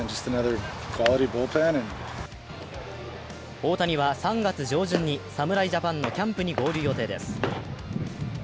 大谷は３月上旬に侍ジャパンのキャンプに合流予定です。